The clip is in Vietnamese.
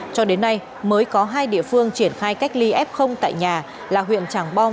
cho đến nay mới có hai địa phương triển khai cách ly f tại nhà là huyện tràng bom